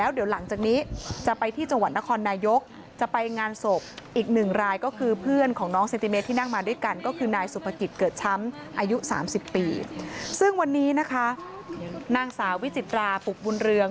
อายุ๓๐ปีซึ่งวันนี้นะคะนางสาววิจิตราปลูกบุญเรือง